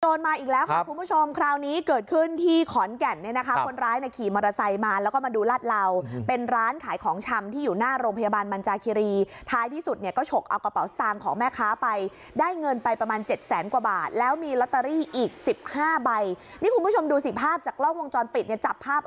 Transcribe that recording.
มาอีกแล้วค่ะคุณผู้ชมคราวนี้เกิดขึ้นที่ขอนแก่นเนี่ยนะคะคนร้ายเนี่ยขี่มอเตอร์ไซค์มาแล้วก็มาดูลาดเหลาเป็นร้านขายของชำที่อยู่หน้าโรงพยาบาลมันจาคิรีท้ายที่สุดเนี่ยก็ฉกเอากระเป๋าสตางค์ของแม่ค้าไปได้เงินไปประมาณเจ็ดแสนกว่าบาทแล้วมีลอตเตอรี่อีกสิบห้าใบนี่คุณผู้ชมดูสิภาพจากกล้องวงจรปิดเนี่ยจับภาพ